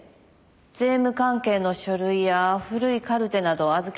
税務関係の書類や古いカルテなどを預けています。